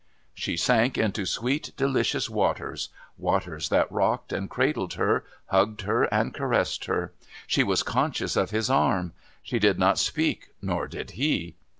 She sank into sweet delicious waters waters that rocked and cradled her, hugged her and caressed her. She was conscious of his arm. She did not speak nor did he.